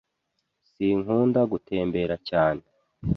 Sinkunda gutembera cyane.